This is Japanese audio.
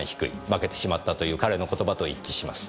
「負けてしまった」という彼の言葉と一致します。